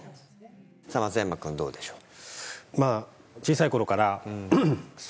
松山君どうでしょう？